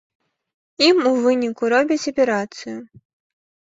Ім у выніку і робяць аперацыю.